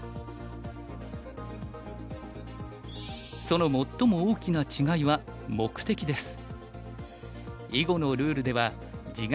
その最も大きな違いは目的です。